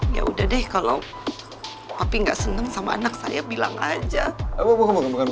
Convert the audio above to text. ya udah deh kalau api nggak seneng sama anak saya bilang aja